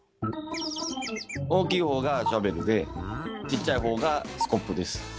大きい方がシャベルでちっちゃい方がスコップです。